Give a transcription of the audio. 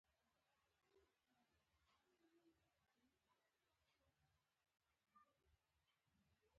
منډه د بدبویو له منځه وړو عمل دی